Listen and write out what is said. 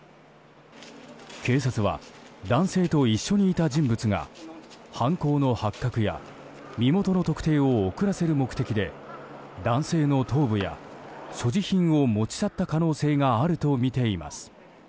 警察は男性と一緒にいた人物が犯行の発覚や身元の特定を遅らせる目的で男性の頭部や所持品を持ち去った可能性があるとみています。